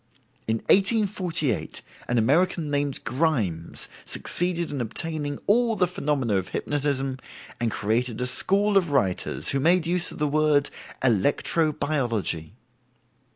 In 1848 an American named Grimes succeeded in obtaining all the phenomena of hypnotism, and created a school of writers who made use of the word "electro biology."